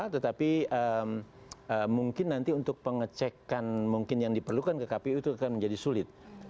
tetapi mungkin nanti untuk pengecekan mungkin yang diperlukan ke kpu itu akan menjadi sulit